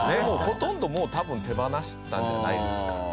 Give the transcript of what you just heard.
ほとんどもう多分手放したんじゃないですか？